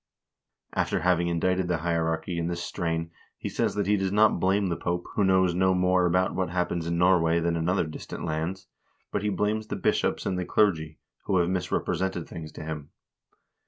After having indicted the hierarchy in this strain he says that he does not blame the Pope, who knows no more about what happens in Norway than in other distant lands, but he blames the bishops and the clergy, who have misrepresented things to him.